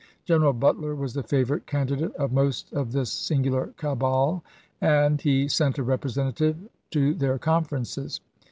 J^89?0' General Butler was the favorite candidate of most of this singular cabal, and he sent a representative to their conferences.